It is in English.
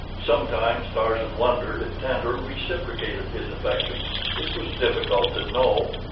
Sometimes Tarzan wondered if Tantor reciprocated his affection. It was difficult to know.